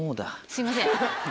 すいません。